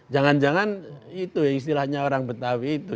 jangan jangan itu ya istilahnya orang betawi itu